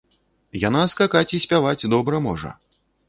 Яна скакаць і спяваць добра можа.